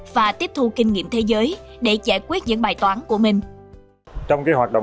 và tiếp thu kinh nghiệm thế giới để giải quyết những bài toán của mình